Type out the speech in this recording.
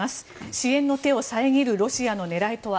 支援の手を遮るロシアの狙いとは。